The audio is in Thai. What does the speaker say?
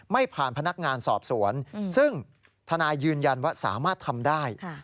ไม่ผ่านพนักงานสอบสวนซึ่งทนายยืนยันว่าสามารถทำได้